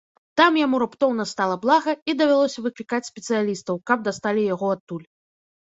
Там яму раптоўна стала блага і давялося выклікаць спецыялістаў, каб дасталі яго адтуль.